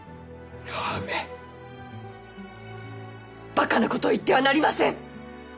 バカなことを言ってはなりません！